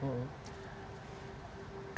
kalau kita ingin meminjam bank kita harus meminjam bank